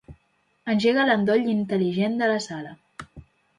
Engega l'endoll intel·ligent de la sala.